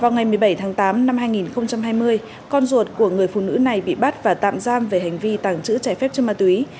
năm hai nghìn hai mươi con ruột của người phụ nữ này bị bắt và tạm giam về hành vi tàng trữ trẻ phép trên ma túy